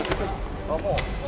「あっもう」